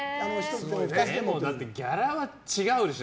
ギャラが違うでしょ。